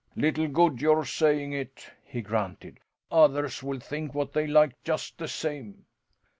"Little good your saying it!" he grunted. "Others will think what they like just the same."